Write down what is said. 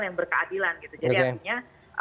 yang berkeadilan gitu jadi artinya